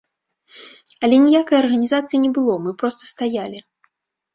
Але ніякай арганізацыі не было, мы проста стаялі.